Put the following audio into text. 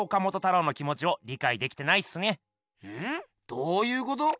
どうゆうこと？